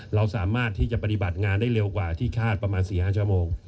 เราสามารถที่จะปฏิบัติงานได้เร็วกว่าที่คาดประมาณ๔๕ชั่วโมง